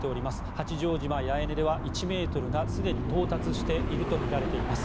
八丈島八重根ではすでに到達しているとみられています。